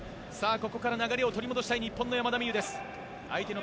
ここから流れを取り戻したい山田美諭です。